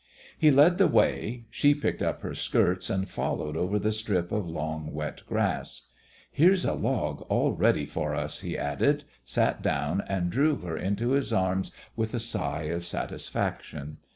He led the way; she picked up her skirts and followed over the strip of long wet grass. "Here's a log all ready for us," he added, sat down, and drew her into his arms with a sigh of satisfaction.